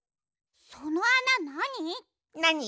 そのあななに？